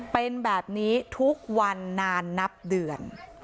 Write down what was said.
เป็นแบบนี้ทุกวันนานนับเดือน